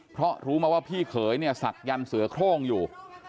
เพราะรู้มาว่าพี่เขยเนี่ยศักดิ์เสือโครงอยู่